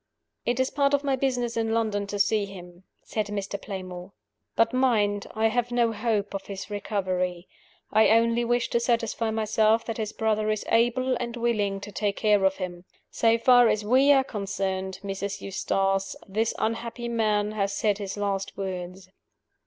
"It is part of my business in London to see him," said Mr. Playmore. "But mind! I have no hope of his recovery; I only wish to satisfy myself that his brother is able and willing to take care of him. So far as we are concerned, Mrs. Eustace, that unhappy man has said his last words."